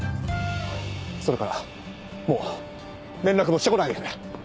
それからもう連絡もして来ないでくれ！